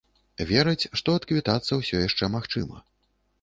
Вераць, што адквітацца ўсё яшчэ магчыма.